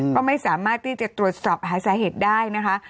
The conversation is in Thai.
ก็ไม่สามารถที่จะตรวจสอบหาสาเหตุได้นะคะ